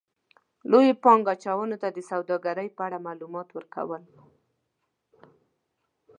-لویو پانګه اچونکو ته د سوداګرۍ په اړه مالومات ورکو ل